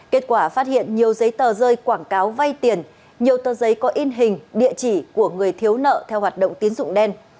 kết quả phát hiện nhiều giấy tờ rơi quảng cáo vay tiền nhiều tờ giấy có in hình địa chỉ của người thiếu nợ theo hoạt động tín dụng đen